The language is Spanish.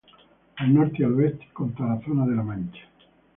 Al norte y al oeste con Tarazona de la Mancha.